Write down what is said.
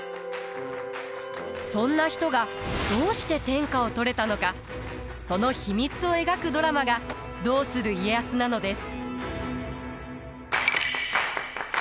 そんな人がどうして天下を取れたのかその秘密を描くドラマが「どうする家康」なのです。